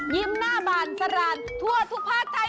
ยิ้มหน้าบานสรรค์ทั่วทุกภาคไทย